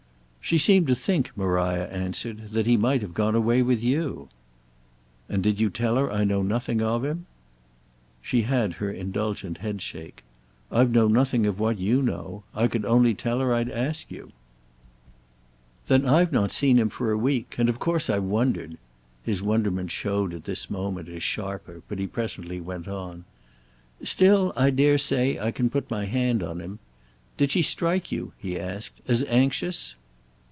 "She seemed to think," Maria answered, "that he might have gone away with you." "And did you tell her I know nothing of him?" She had her indulgent headshake. "I've known nothing of what you know. I could only tell her I'd ask you." "Then I've not seen him for a week—and of course I've wondered." His wonderment showed at this moment as sharper, but he presently went on. "Still, I dare say I can put my hand on him. Did she strike you," he asked, "as anxious?"